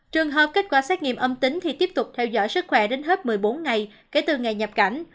trường hợp kết quả xét nghiệm âm tính thì tiếp tục theo dõi sức khỏe đến hết một mươi bốn ngày kể từ ngày nhập cảnh